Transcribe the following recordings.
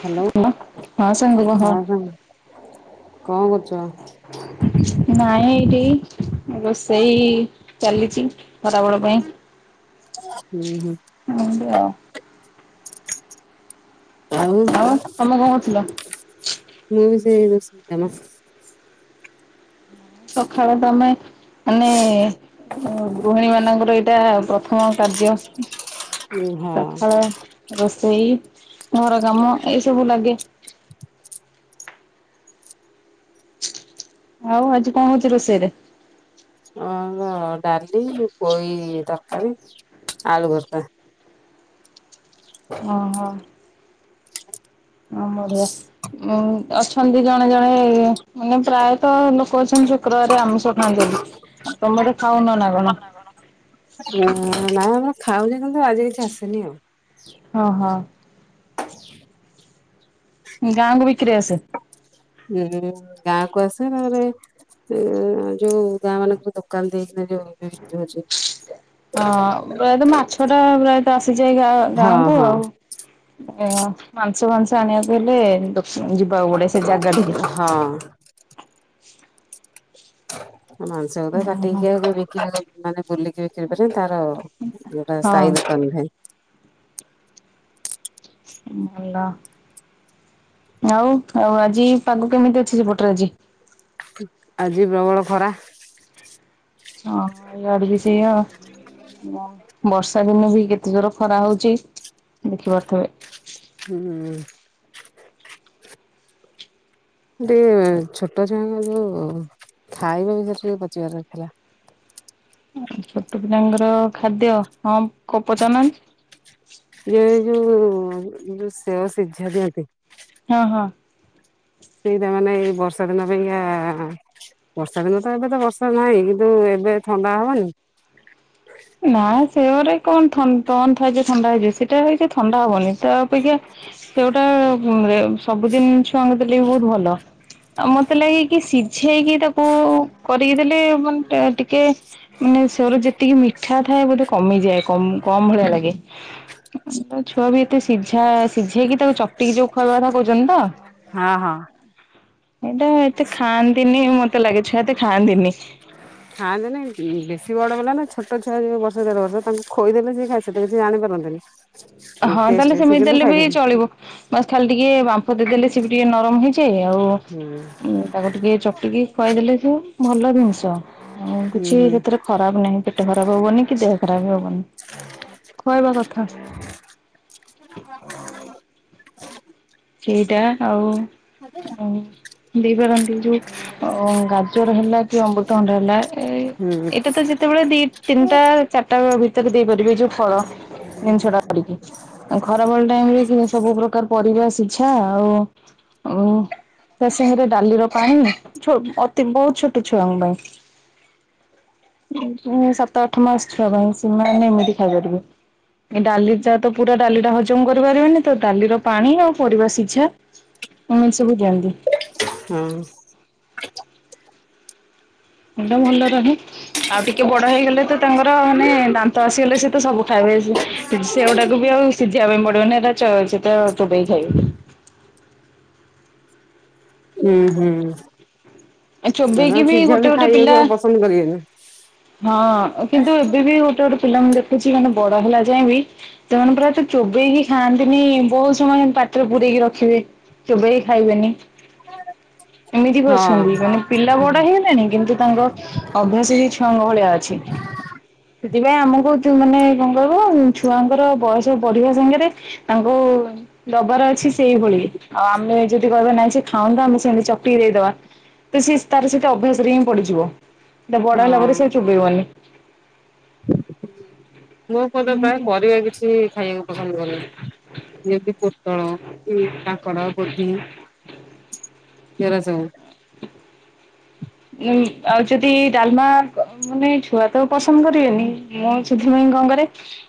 Hello ହ ହଁ ସାଙ୍ଗ କହ? ହଁ ହଁ କଣ କରୁଛ? ନାଇଁ ଏଇଠି ରୋଷେଇ ଚାଲିଛି ଖରାବେଳ ପାଇଁ। ହୁଁ ହୁଁ। ଏମିତି ଆଉ। ଆଉ ତମେ କଣ କରୁଥିଲ? ମୁଁ ବି ସେଇ ରଷେଇ କାମ। ସକାଳେ ତମେ ମାନେ ଗୃହିଣୀ ମାନେ ତାଙ୍କର ଏଇଟା ପ୍ରଥମ କାର୍ଯ୍ୟ ହଁ ସକାଳ ରୋଷେଇ ଘର କାମ ଏଇ ସବୁ ଲାଗେ। ଆଉ ଆଜି କଣ ହଉଛି ରୋଷେଇରେ? ଅଁ ଡାଲି, ପୋଇ ତରକାରୀ, ଆଳୁ ଭରତା। ଅହଃ। ଅଁ ବଢିଆ, ଉଁ ଅଛନ୍ତି ଜଣେ ଜଣେ ମାନେ ପ୍ରାୟତଃ ଲୋକ ଅଛନ୍ତି ଶୁକ୍ରବାରେ ଆମିଷ ଖାଆନ୍ତିନି। ତମେ ବୋଧେ ଖାଉନ ନା କଣ? ନା ନାଇ ଆମର ଖାଉ ଯେ, କିନ୍ତୁ ଆଜି କିଛି ଆସିନି ଆଉ। ହଁ ହଁ। ଗାଁକୁ ବିକ୍ରି ଆସେ? ହୁଁ ଗାଁ କୁ ଆସେ, ତାପରେ ଉଁ ଯୋଉ ଗାଁ ମାନଙ୍କରେ ଦୋକ ଦୋକାନ ଦେଇଥିଲେ ଯଉ ଏବେ ବିକ୍ରି ହଉଛି। ହଁ ପ୍ରାୟତଃ ମାଛଟା ପ୍ରାୟତଃ ଆସିଯାଏ ଗାଁ ହଁ ଗାଁକୁ ହଁ ଆଉ ଏଁ ମାଂସ ଫାଂସ ଆଣିବାକୁ ହେଲେ ଦୋକ ଯିବାକୁ ପଡିବ ସେ ଜାଗାଠିକି ହଁ। ମାଂସକୁ ତ ଓହୋ କାଟିକି ଆଗ ବିକି ମାନେ ବୁଲିକି ବିକ୍ରି କରିବେ ତାର ଏଟା ହଁ ସାଇ ଦୋକାନୀ ଭାଇ। ଭଲ। ଆଉ -ଆଉ ଆଜି ପାଗ କେମିତି ଅଛି ସେପଟରେ ଆଜି? ଆଜି ପ୍ରବଳ ଖରା। ଅହଃ, ଇଆଡେ ବି ସେଇଆ। ବର୍ଷା ଦିନେ ବି କେତେ ଜୋରେ ଖରା ହଉଚି ଦେଖିପାରୁଥିବେ। ହୁଁ। ଟିକେ ଛୋଟ ଛୁଆଙ୍କ ଯୋଉ ଖାଇବା ବିଷୟରେ ଟିକେ ପଚିବାର ଥିଲା। ଛୋଟ ପିଲାଙ୍କର ଖାଦ୍ୟ, ହଁ କୋ ପଚାରୁନାହାନ୍ତି? ଇଏ ଯୋଉ -ଯୋଉ ସେଉ ସିଝା ଦିଅନ୍ତି ହଁ ହଁ। ସେଇରା ମାନେ ଏଇ ବର୍ଷା ଦିନ ପାଇଁକା ବର୍ଷା ଦିନ ତ ଏବେ ତ ବର୍ଷା ନାହିଁ। କିନ୍ତୁ ଏବେ ଥଣ୍ଡା ହବନି? ନା ସେଉରେ କଣ ଥନ କଣ ଥାଏ ଯେ ଥଣ୍ଡା ହେଇଯିବ? ସେଓଟା ଥଣ୍ଡା ହବନି ତା ଅପେକ୍ଷା ସେଉଟା ଉଁ ରେ ସବୁଦିନ ଛୁଆଙ୍କୁ ଦେଲେ ବି ବହୁତ ଭଲ। ଆଉ ମତେ ଲାଗେ କି ସିଝେଇକି ତାକୁ କରିକି ଦେଲେ ମାନେ ତାର ଟିକେ ମାନେ ସେଉର ଯେତିକି ମିଠା ଥାଏ ବୋଧେ କମିଯାଏ। କମ୍ କମ ଭଳିଆ ଲାଗେ। ଛୁଆ ବି ଏତେ ସିଝା ସିଝେଇକି ତାକୁ ଚକଟିକି ଯୋଉ ଖୁଆଇବା କଥା କହୁଛନ୍ତି ତ? ହଁ ହଁ। ଏଇଟା ଏତେ ଖାଆନ୍ତିନି ମତେ ଲାଗେ ଛୁଆ ଏତେ ଖାଆନ୍ତିନି। ଖାଆନ୍ତିନି କି ବେଶୀ ବଡପିଲା ନା ଛୋଟଛୁଆ, ଯୋଉ ବର୍ଷେ ଦେଢବର୍ଷର ତାଙ୍କୁ ଖୋଇଦେଲେ ସିଏ ଖା ସେତ କିଛି ଜାଣିପାରନ୍ତିନି। ହଁ ଟେଷ୍ଟ ତାହେଲେ ସେ ସେମିତି କିନ୍ତୁ ଦେଲେ ବି ଖାଇଦେବେ। ଚଳିବ ବାସ୍ ଖାଲି ଟିକେ ବାମ୍ପ ଦେଇଦେଲେ ସେ ବି ଟିକେ ନରମ ହେଇଯି ଆଉ ହୁଁ ତାକୁ ଟିକେ ଚକିକି ଖୁଆଇଦେଲେ ସେ ଭଲ ଜିନିଷ। ଆଉ ହୁଁ କିଛି ବି ହୁଁ ସେଥିରେ ଖରାପ ନାହିଁ ପେଟ ଖରାପ ହବନି କି ଦେହ ଖରାପ ହବନି। ଖୁଆଇବା କଥା। [inaudible] ସେଇଟା ଆଉ [inaudible] ଉଁ ଦେଇପାରନ୍ତି ଯୋଉ ହଉ ଗାଜର ହେଲା କି ଅମୃତଭଣ୍ଡା ହେଲା ଏ ଏଇ ହୁଁ ଏଇଟା ତ ଯେତେବେଳେ ଦେ ତିନିଟା, ଚାରିଟା ଭିତରେ ଦେଇପାରିବେ। ଏ ଯୋଉ ଫଳ ଜିନିଷଟା। ଆ ଖରାବେଳ ଟାଇମରେ ଏଯଉ ସବୁ ପ୍ରକାର ପରିବା ସିଝା ଆଉ ଉଁ ତା ସାଙ୍ଗରେ ଡାଲିର ପାଣି ଛୋ ଅତି ବହୁତ୍ ଛୋଟ ଛୁଆଙ୍କ ପାଇଁ। ଉଁ ସାତ ଆଠ ମାସ ଛୁଆ ପାଇଁ ସେମାନେ ଏମିତି ଖାଇପାରିବେ। ଏଇ ଡାଲି ଯାତ ପୁରା ଡାଲିଟା ହଜମ୍ କରିପାରିବେନି ତଡାଲିର ପାଣି ଆଉ ପରିବା ସିଝା ଏମିତି ସବୁ ଦିଅନ୍ତି। ହଁ। ସେଟା ଭଲ ରହେ ଆଉ ଟିକେ ବଡ଼ ହେଇଗଲେତ ତାଙ୍କର ମାନେ ଦାନ୍ତ ତ ଆସିଗଲେ ସେତ ସବୁ ଖାଇବେ ସେଉ ଡ଼ାକୁବି ଆଉ ସିଝେଇବା ପାଇଁ ପଡ଼ିବନି ଏଟା ଚ ସେତ ଚୋବେଇକି ଖାଇବେ। ଉଁ ହୁଁ। ଆ ସେମାନେ ଚୋବେଇକିବି ସିଝା ବି ଗୋଟେ ଗୋଟେ ଖାଇବାକୁ ପିଲା ଆଉ ପସନ୍ଦ କରିବେନି ହଁ କିନ୍ତୁ ଏବେବି ଗୋ ଗୋଟେ ଗୋଟେ ପିଲା ମୁଁ ଦେଖିଚି ମାନେ ବଡ଼ ହେଲା ଯାଏଁବି ସେମାନେ ପୁରା ଏତେ ଚୋବେଇକି ଖାଆନ୍ତିନି ବହୁତ୍ ସମୟ ଏମିତି ପାଟିରେ ପୁରେଇକି ରଖିବେ। ଚୋବେଇ ଖାଇବେନି ଏମିତିବି ହଁ ଅଛନ୍ତି ମାନେ ପିଲା ବଡ଼ ହେଇଗଲାଣି କିନ୍ତୁ ତାଙ୍କ ଅଭ୍ୟାସବି ଛୁଆଙ୍କ ଭଳିଆ ଅଛି।। ସେଥିପାଇଁ ଆମ କହୁଚୁ ମାନେ କଣ କହିବ ଛୁଆଙ୍କର ବୟସ ବଢିବା ସାଙ୍ଗରେ ତାଙ୍କୁ ଦବାର ଅଛି ସେଇଭଳି ଆଉ ଆମେ ଯଦି କହିବା ନାହିଁ ସେଖାଉନ୍ତା ଆମେ ସେମିତି ଚଟକି ଦେଇଦବା ତ ସେ ତାର ସେଇଟା ଅଭ୍ୟାସରେହିଁ ପଡ଼ିଯିବ ତା ବଡ଼ ହେଲା ହଁ। ପରେ ସେଚୋବେଇବନି ହୁଁ ମୋ ପୁଅତ ଏମିତି ପ୍ରାୟେ ଆଉ। ପରିବା କିଛି ଖାଇବାକୁ ପସନ୍ଦ କରୁନି। ଯେମିତି ପୋଟଳ ଏ କାଙ୍କଡ଼ କୋବି ଏରା ସବୁ ଉ ଆଉ ଯଦି ଡ଼ାଲମା ମାନେ ଛୁଆତ ପସନ୍ଦ କରିବେନି ମୁଁ ସେଥିପାଇଁ କଣ କରେ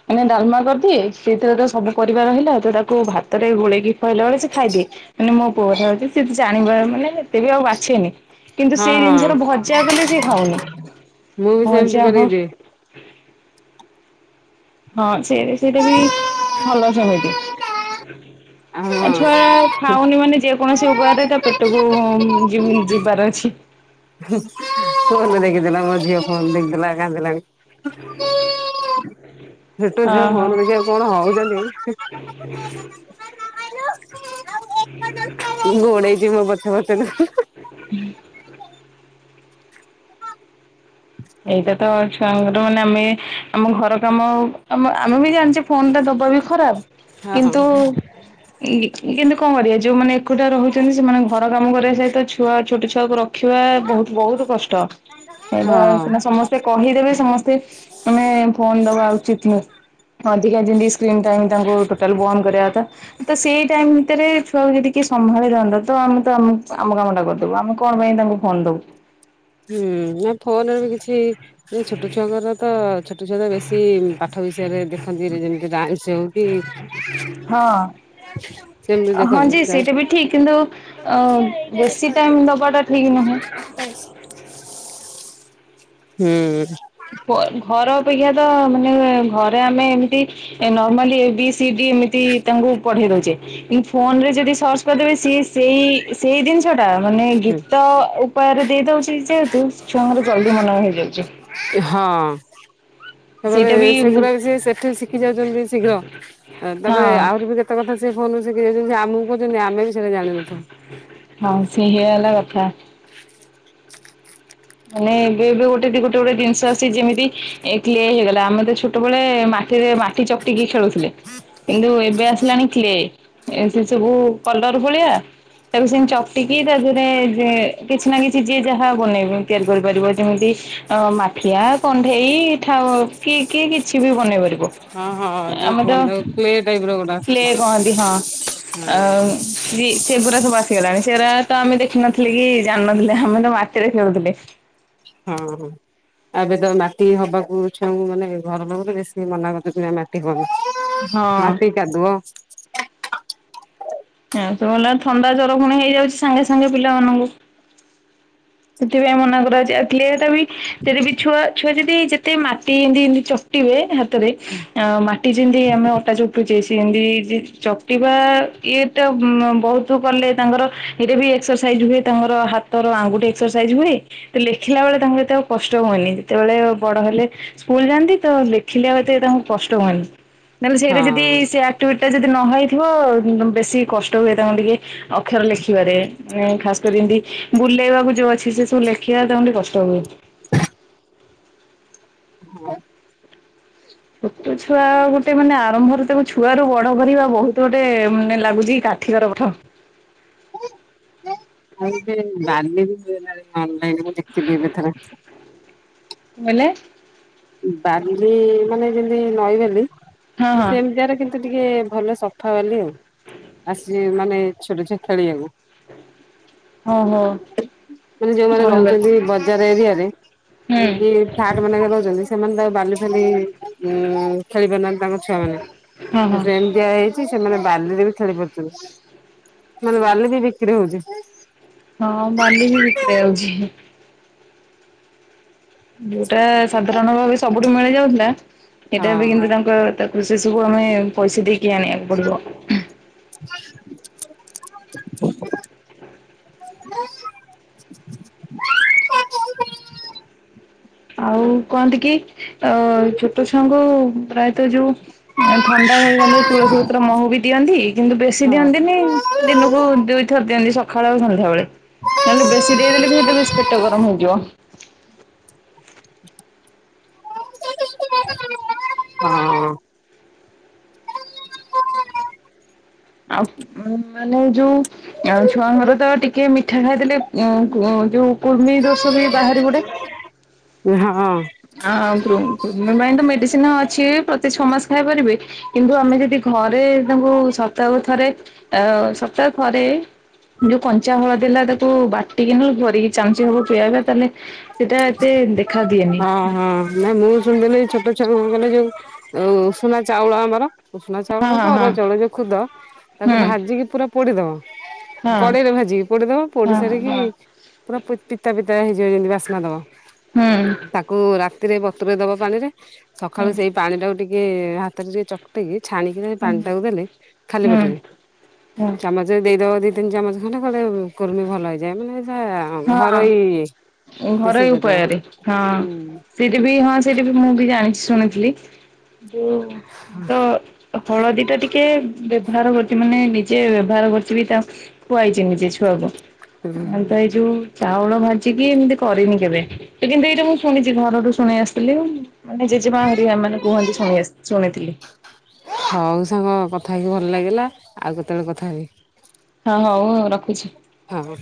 ମାନେ ଡ଼ାଲମା କରିଦିଏ ସେଥିରେ ଯୋଉ ସବୁ ପରିବା ରହିଲା ତତାକୁ ଭାତରେ ଗୋଳେଇକି ଖହଲା ବେଳେ ସେ ଖାଇଦିଏ ମାନେ ମୋ ପୁଅରଅଛି ଜାଣି ମାନେ ଏତେବି ଆଉ ବାଛେନି କିନ୍ତୁ ସେ ହଁ ସେଇ ହଁ। ଜିନିଷରେ ଭଜା କଲେ ସେ ଖାଉନି ମୁଁ ବି ସେମିତି ଭଜା କରିକି ହଁ ଦିଏ। ହଁ ସେ ସେଇଟାବି ଭଲ ସେମିତି। ହଁ। ଆ ଛୁଆା ଖାଉନି ମାନେ ଯେକୌଣସି ଉପାୟରେ ତା ପେଟକୁ ଯି ଯିବାର ଅଛି। ଫୋନ୍ ଦେଖିଦେଲା ମଝିଅ ଫୋନ୍ ଦେଖିଦେଲା କାନ୍ଦିଲାଣି। ଛୋଟ ଛୁଆ ଫୋନ୍ ହଁ ଦେଖାଇବା ହଁ ପାଇଁ କଣ ହଉଚନ୍ତି। [inaudible] ଗୋଡ଼େଇଚି ମୋପଛେ ପଛେ ହୁଁ। ଏଇଟାତ ଛୁଆଙ୍କର ମାନେ ଆମେ ଆମ ଘର କାମ ଆମ ଆମେବି ଜାଣିଚ ଫୋନଟା ଦବାବି ଖରାପ୍ ହଁ। କିନ୍ତୁ [inaudible] ଇ କିନ୍ତୁ କଣ କରିବା ଯୋଉମାନେ ଏକୁଟା ରହୁଛନ୍ତି ସେମାନେ ଘର କାମ କରିବା ସହିତ ଛୁଆ ଛୋଟ ଛୁଆକୁ ର ରଖିବା ବହୁତ୍ ବହୁତ୍ କଷ୍ଟ। [unintelligible] ଏଇଟା ସିନା ସମସ୍ତେ କହିଦେବେ ସମସ୍ତେ ଆମେ ଫୋନ୍ ଦବା ଉଚିତ୍ ନୁହେଁ। ହଁଧିକା ସ୍କ୍ର ଟାଇମ୍ ତାଙ୍କୁ ଟୋଟାଲ ବନ୍ଦ କରିବା କଥା ତ ସେଇ ଟାଇମ୍ ଭିତରେ ଛୁଆକୁ ଯଦି କିଏ ସମ୍ଭାଳି ରଖନ୍ତାତ ଆମେତ ଆମ କାମଟା କରିଦବୁ ଆମେ କଣ ପାଇଁ ତାଙ୍କୁ ଫୋନ୍ ଦବୁ। ହୁଁ ନା ଫୋନରେ ବି କିଛି ଛୋଟ ଛୁଆଙ୍କର ତ ଛୋଟ ଛୁଆ ତ ବେଶୀ ପାଠ ବିଷ ୟରେ ଦେଖନ୍ତି ଯେମିତି ରାଇମସ ହଉ କି ହଁ। ସେମିତି ହଁ ଦେଖନ୍ତି ଯେ ହୁଁ ସେଇଟା ବି ଠିକ କିନ୍ତୁ ଅ ବେଶୀ ଟାଇମ ଦବାଟା ଠିକ ନୁହେଁ। ହୁଁ। ଘର ଅପେକ୍ଷା ତ ମାନେ ଘରେ ଆମେ ଏମିତି normally A B C B ଏମିତି ତାଙ୍କୁ ପଢେଇ ଦଉଚେ। କି ଫୋନ ରେ ଯଦି ସର୍ଚ୍ଚ କରି ଦେବେ ସିଏ ସେଇ ସେଇ ଜିନିଷ ଟା ମାନେ ଗୀତ ଉପାୟରେ ଦେଇ ଦଉଚି ଯେହେତୁ ଛୁଆଙ୍କର ଜଲଦି ମନେ ହେଇଯାଉଚି। ହଁ। ତାପରେ ସେଇଟା ହଁ ସେଗୁଡା ବି ସିଏ ସେଠି ଶିଖି ଯାଉଚନ୍ତି ଶୀଘ୍ର। ତାପରେ ଆହୁରି ବି କେ ତେ କଥା ସେ ଫୋନରୁ ସିକି ଯାଉଚନ୍ତି ଆମକୁ କହୁଚନ୍ତି ଆମେ ବି ସେଟା ଜାଣିନଥାଉ। ହଁ ସେଇଆ ହେଲା କଥା। ମାନେ ଏବେ ଏବେ ଗୋଟେ ଦି ଗୋଟେ ଗୋଟେ ଜିନିଷ ଅଛି ଯେମିତି କ୍ଳେ ହେଇଗଲା ଆମେ ତ ଛୋ ଟବେଳେ ମାଟିରେ ମାଟି ଚକଟିକି ଖେଳୁଥିଲେ। କିନ୍ତୁ ଏବେ ଆସିଲାଣି କ୍ଳେ ଏ ସେ ସବୁ କଲର ଭଳିଆ ତାକୁ ସେମି ଚଟିକି ତା ଦେହରେ କିଛି ନା କିଛି ଯିଏ ଯାହା ବନେଇବି। ତିଆରି କରିପାରିବ ଯେମିତି ଅ ମାଠିଆ କଣ୍ଢେଇ ଠ କିଏ କିଏ କିଛି ବି ବନେଇ ପାରିବ। ହଁ ହଁ ଯୋଉ ଆମେ ତ କୁହନ୍ତୁ ପ୍ଲେ ଟାଇପ ର ଗୋଟେ କ୍ଳେ କହନ୍ତି ହଁ। ଆସୁଛି [unintelligible] ସେ ପୁରା ସବୁ ଆସିଗଲାଣି ସେଇଟା ତ ଆମେ ଦେଖିନଥିଲେ କି ଜାଣିନଥିଲେ ଆମେ ତ ମାଟିରେ ଖେଳୁଥିଲେ। ହଁ ହଁ। ଆବେ ତ ମାଟି ହବାକୁ ଛୁଆଙ୍କୁ ମାନେ ଘର ଲୋକ ତ ବେଶୀ ମନା କରୁଚନ୍ତି ନା ମାଟି ହନି। ହଁ ମାଟି କାଦୁଅ ଏ ସବୁ ହେଲା ଥଣ୍ଡା ଜ୍ୱର ପୁଣି ହେଇଯାଉଚି ସାଙ୍ଗେ ସାଙ୍ଗେ ପିଲାମାନଙ୍କୁ। ସେଥିପାଇଁ ମନା କରାଯାଏ। ଆ କ୍ଳେ ଟା ବି ସେ ବି ଛୁଆ ଛୁଆ ଯଦି ଯେତେ ମାଟି ଏମତି ଏମତି ଚକଟିବେ ମାଟି ଯେମିତି ଆମେ ଅଟାଚକଟୁଚେ ସେମତି ଯେ ଚକଟିବା ଇଏଟା ବହୁତ କଲେ ତାଙ୍କର ସେଇଟା ବି ଏକ୍ସରସାଇଜ ହୁଏ ତାଙ୍କର ହାତର ଆଙ୍ଗୁଠି ଏକ୍ସରସାଇଜ ହୁଏ। ତ ଲେଖିଲା ବେଳେ ତାଙ୍କୁ ଏତେ ଆଉ କଷ୍ଟ ହୁଏନି ଯେତେବେଳେ ବଡ ହେଲେ ସ୍କୁଲ ଯାଆନ୍ତି ତ ଲେଖିଲେ ବାଏତେ କଷ୍ଟ ହୁଏନି। ନହେଲେ ହଁ। ସେଇଟା ଯଦି ଆଉ ସେ ଆକ୍ଟିଭିଟିଇସଟା ଯଦି ନ ହେଇଥିବ ବେଶୀ କଷ୍ଟ ହୁଏ ତାଙ୍କ ଟିକେ ଅକ୍ଷର ଲେଖିବାରେ ଖାସକରି ବୁଲେଇବାକୁ ଯୋଉ ଅଛି ସେ ସବୁ ଲେଖିବା ତାଙ୍କୁ ଟିକେ କଷ୍ଟ ହୁଏ। [inaudible] ଛୋଟ ଛୁଆ ଗୋଟେ ମାନେ ଆରମ୍ଭରୁ ତାକୁ ଛୁଆରୁ ବଡ କରିବା ବହୁତ ଗୋଟେ ମାନେ ଲାଗୁଚି କା ଠିକର ପାଠ। ଆଉ ଏ ବାଲି ବି ହୁଏଲାଣି ଅନଲାଇନ ମୁ ଦେଖିବି ଏବେଥରେ। [unintelligible] ବାଲି ମାନେ ଯେମିତି ନଈ ବଲି ହଁ ହଁ ସେମିତି ଆରେ ମତେ ଟିକେ ଭଲ ସଫାବାଲି ଆଉ ଆସଛି ମାନେ ଛୋଟ ଛୁଆ ଖେଳିବାକୁ। ଓହୋ। ମାନେ ଯୋଉମାନେ ରହୁଛନ୍ତି ବଜାର ଏରିଆରେ ଏମତି ହୁଁ ଫ୍ଲାଟ ମାନଙ୍କରେ ରହୁଚନ୍ତି ସେମାନେ ତ ଆଉ ବାଲି ଫାଲି ଉଁ ଖେଳି ପାରୁନାହାନ୍ତି ତାଙ୍କ ଛୁଆମାନେ ହଁ ହଁ ତ ସେମ ଦିଆ ହେଇଛି ସେମାନେ ବାଲିରେ ବି ଖେଳି ପାରୁଛନ୍ତି ମିନେ ବାଲି ବି ବିକ୍ରି ହଉଛି। ହଁ ବାଲିବି ଭିତରେ ହଉଛି। ଯୋଉଟା ସାଧାରଣ ଭାବେ ସବୁଠୁ ମିଳି ଯାଉଥିଲା ହଁ। ସେଇଟା ଏବେ କିନ୍ତୁ ତାଙ୍କ ତ ସେ ସବୁ ଆମେ ପଇସା ଦେଇକି ଆଣିବାକୁ ପଡିବ। [inaudible] ଆଉ କହନ୍ତି କି ଅ ଛୋଟ ଛୁଆଙ୍କୁ ପ୍ରାୟତଃ ଯୋଉ। ଥଣ୍ଡା ହେଇଗଲେ ତୁଳସୀ ପତ୍ର ମହୁ ବି ଦିଅନ୍ତି କିନ୍ତୁ ବେଶୀ ହଁ। ଦିଅନ୍ତିନି। ଦିନୁକୁ ଦୁଇଥର ଦିଅନ୍ତି ସଖ ଖାଳ ଆଉ ସନ୍ଧ୍ୟାବଳେ ନହେଲେ ବେଶୀ ଦେଇଦେଲେ ବି ସେଇଟା ବେଶୀ ପେଟ ଗରମ ହେଇଯିବ। [unintelligible] ଆଉ ଉଁ ମାନେ ଯୋଉ ଆଁ ଛୁଆଙ୍କର ତ ଟିକେ ମି ଠା ଖାଇଦେଲେ ଉଁ ଉଁ ଯୋଉ କୁର୍ମି ଦୋଷ ବି ବାହାରି ପଡ଼େ। ଏ ହଁ। ଆଉ କୃମ କୃମିପାଇଁ ତ ହଁ। ମେଡିସିନ ଅଛି ପ୍ରତି ଛଅ ମାସ ଖାଇ ପାରିବେ। କିନ୍ତୁ ଆମେ ଯଦି ଘରେ ତାଙ୍କୁ ସପ୍ତାହ ଥରେ ଆ ସପ୍ତାହ ଥରେ। ଯୋଉ କଞ୍ଚା ହଳଦି ଥିଲା ତାକୁ ବାଟିକିନି ଘୋରିକି। ଚାମଚିଏ ହବ ପିଆଇବା ତାହେଲେ ସେଇଟା ଏତେ ଦେଖା ଦିଏନି। ହଁ ହଁ ନାଇ ମୁଁ ଶୁଣିଥିଲି ଛୋଟ ଛୁଆମାନଙ୍କୁ ଯୋଉ ଉଷୁନା ଚାଉଳ ଆମର। ଉଷୁନା ଚାଉଳ ହଁ ହଉ କି ହଁ ଅରୁଆ ଚାଉଳ ଯୋଉ ଖୁଦ ହଁ ତାକୁ ହୁଁ ଭାଜିକି ପୁରା ପୋଡିଦବ। କଡେଇରେ ହଁ ଭାଜିକି ପୋଡିଦବ ପୋଡି ହଁ ସାରିକି ହଁ ପୁରା ପିତା ପିତା ହେଇଯିବ ଯେମତି ବାସ୍ନା ଦବ। ହୁଁ। ତାକୁ ରାତିରେ ବତୁରେଇ ଦବ ପାଣିରେ ସଖାଳୁ ହୁଁ ସେଇ ପାଣିଟାକୁ ଟିକେ ହାତରେ ଟିକେ ଚକୁ ଚକ ଟିକି ଛାଣିକି ସେଇ ପାଣିଟାକୁ ଦେଲେ ହୁଁ ହୁଁ ଖାଲିପେଟରେ ହୁଁ ଚାମଚ ଦେଇଦବ ଦି ତିନି ଚାମଚ। ମାନେ କୁଆଡେ କୁର୍ମି ଭଲ ହେଇଯାଏ ମାନେ ଯା ହଁ ଘରୋଇ ଉପଚାର ଉପାୟରେ। ହଁ ସେଇଟା ବି ହଁ ସେଇଟା ବି ମୁଁ ବି ଜାଣିଛି ଶୁଣିଥିଲି। ଯୋଉ ତ। ହଳଦୀ ଟା ଟିକେ ବ୍ୟବହାର କରିଛି ମାନେ ନିଜେ ବ୍ୟବହାର କରିଛି ବି ତ ଖୁଆଇଛି ନିଜେ ଛୁଆକୁ ଆଉ ହୁଁ। ତ ଏଇ ଯୋଉ ଚାଉଳ ଭାଜିକି ଏମିତି କରିନି କେବେ। ତ କିନ୍ତୁ ଏଇଟା ମୁଁ ଶୁଣିଛି ଘରଠୁ ଶୁଣି ଆସିଥିଲି। ମାନେ ଜେଜେମା ହରିକା ଏମାନେ କୁହନ୍ତି ଶୁଣି ଆସ ଶୁଣିଥିଲି। ହଉ ସାଙ୍ଗ କଥା ହେଇକି ଭଲ ଲାଗିଲା ଆଉ କେତେବେଳେ କଥା ହେବି। ହଁ ହଉ ଆଉ ରଖୁଛି। ହଁ।